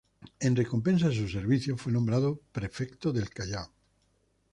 En recompensa a sus servicios fue nombrado prefecto del Callao.